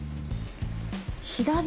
左？